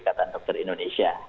katakan dokter indonesia